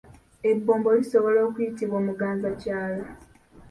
Ebbombo lisobola okuyitibwa Omuganzakyalo.